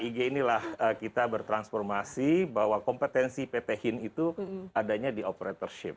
ig inilah kita bertransformasi bahwa kompetensi pt hin itu adanya di operatorship